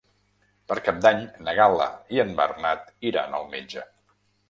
Per Cap d'Any na Gal·la i en Bernat iran al metge.